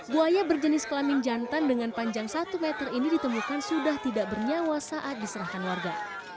buaya berjenis kelamin jantan dengan panjang satu meter ini ditemukan sudah tidak bernyawa saat diserahkan warga